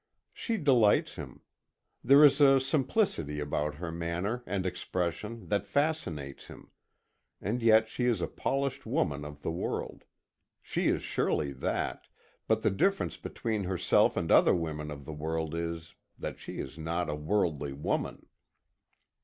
She delights him. There is a simplicity about her manner and expression that fascinates him and yet she is a polished woman of the world. She is surely that, but the difference between herself and other women of the world is that she is not a worldly woman.